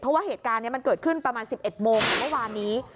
เพราะว่าเหตุการณ์นี้มันเกิดขึ้นประมาณ๑๑โมงของเมื่อวานนี้